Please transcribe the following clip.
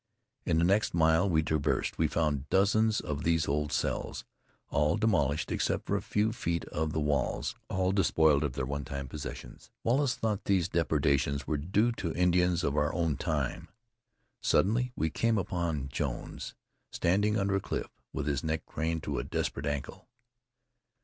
In the next mile we traversed, we found dozens of these old cells, all demolished except a few feet of the walls, all despoiled of their one time possessions. Wallace thought these depredations were due to Indians of our own time. Suddenly we came upon Jones, standing under a cliff, with his neck craned to a desperate angle.